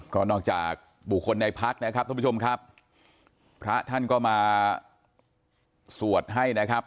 ก็นอกจากบุคคลในพักนะครับท่านผู้ชมครับพระท่านก็มาสวดให้นะครับ